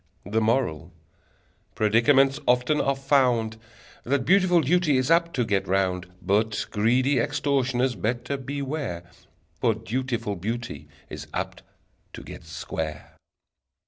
The Moral: Predicaments often are found That beautiful duty is apt to get round: But greedy extortioners better beware For dutiful beauty is apt to get square!